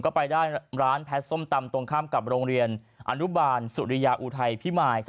ก็ไปได้ร้านแพทย์ส้มตำตรงข้ามกับโรงเรียนอนุบาลสุริยาอุทัยพิมาย